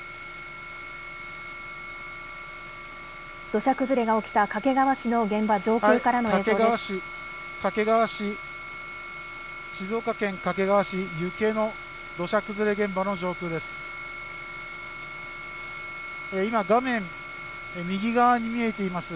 土砂崩れが起きた掛川市の現場上空からの映像です。